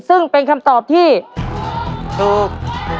ซึ่งเป็นคำตอบที่ถูก